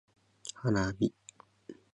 花火